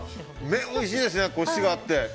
麺おいしいですね、コシがあって。